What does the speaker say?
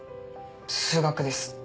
数学です。